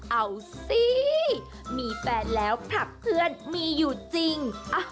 เอาสิมีแฟนแล้วผลักเพื่อนมีอยู่จริง